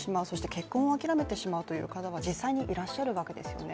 結婚を諦めてしまうという方が実際にいらっしゃるわけですよね。